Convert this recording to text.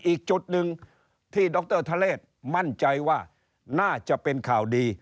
อีกจุดหนึ่งที่ดรทะเลศมั่นใจว่าน่าจะเป็นข่าวดี